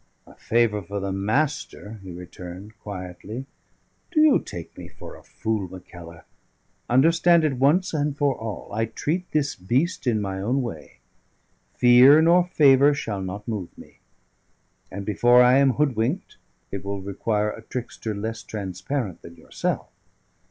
"A favour for the Master," he returned quietly. "Do you take me for a fool, Mackellar? Understand it once and for all, I treat this beast in my own way; fear nor favour shall not move me; and before I am hoodwinked, it will require a trickster less transparent than yourself.